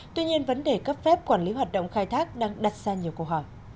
tuy nhiên vấn đề cấp phép quản lý hoạt động khai thác đang đặt ra nhiều câu hỏi